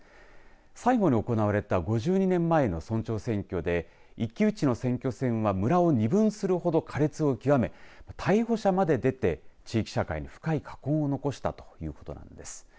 最後に行われた５２年前の村長選挙で一騎打ちの選挙戦は村を二分するほど苛烈を極め逮捕者まで出て地域社会に深い禍根を残したということなんです。